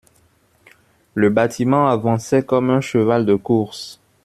Le bâtiment avançait comme un cheval de course.